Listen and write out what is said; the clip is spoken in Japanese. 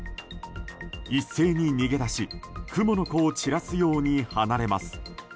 一斉に逃げ出し蜘蛛の子を散らすように離れます。